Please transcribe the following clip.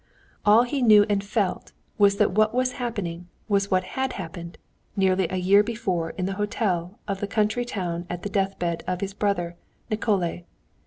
All he knew and felt was that what was happening was what had happened nearly a year before in the hotel of the country town at the deathbed of his brother Nikolay.